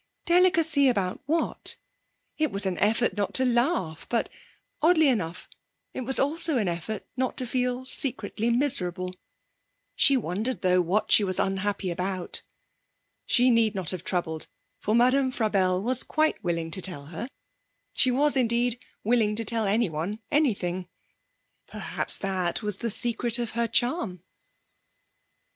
Delicacy about what? It was an effort not to laugh; but, oddly enough, it was also an effort not to feel secretly miserable. She wondered, though, what she was unhappy about. She need not have troubled, for Madame Frabelle was quite willing to tell her. She was, indeed, willing to tell anyone anything. Perhaps that was the secret of her charm.